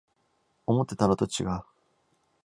思ってたのとちがう